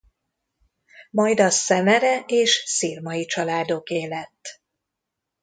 Majd a Szemere és Szirmay családoké lett.